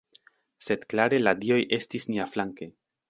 Sed klare la dioj estis niaflanke.